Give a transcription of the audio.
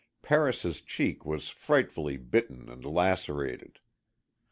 Paris' cheek was frightfully bitten and lacerated.